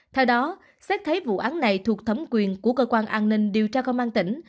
theo đó xét thấy vụ án này thuộc thẩm quyền của cơ quan an ninh điều tra công an tỉnh